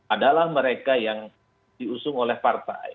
adalah mereka yang diusung oleh partai